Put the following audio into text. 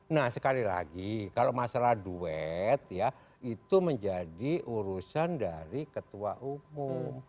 nah sekali lagi kalau masalah duet ya itu menjadi urusan dari ketua umum